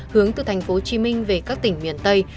hướng từ thành phố hồ chí minh về các tỉnh miền tây